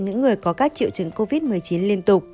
những người có các triệu chứng covid một mươi chín liên tục